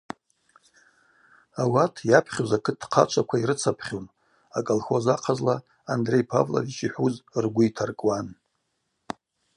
Ауат йапхьуз акыт хъачваква йрыцапхьун, аколхоз ахъазла Андрей Павлович йхӏвуз ргвы йтаркӏуан.